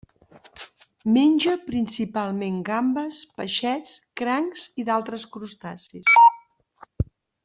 Menja principalment gambes, peixets, crancs i d'altres crustacis.